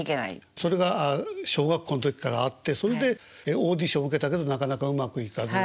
それが小学校の時からあってそれでオーディション受けたけどなかなかうまくいかず。